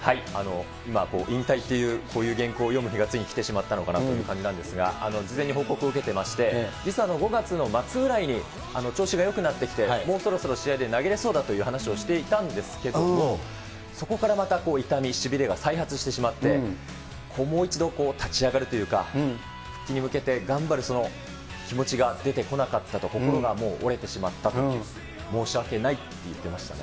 今、引退という、こういう原稿を読む日がついに来てしまったのかなという感じなんですが、事前に報告を受けてまして、実は５月の末ぐらいに調子がよくなってきて、もうそろそろ試合で投げれそうだという話をしていたんですけれども、そこからまた痛み、しびれが再発してしまって、もう一度立ち上がるというか、復帰に向けて頑張るその気持ちが出てこなかったと、心がもう折れてしまったと、申し訳ないって言ってましたね。